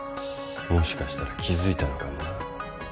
もしかしたら気付いたのかもな。